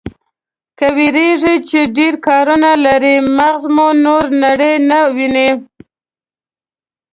که وېرېږئ چې ډېر کارونه لرئ، مغز مو نوره نړۍ نه ويني.